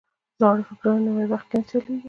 زاړه فکرونه نوي وخت کې نه چلیږي.